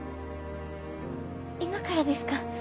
今からですか？